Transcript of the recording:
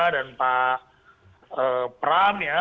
dan pak pram ya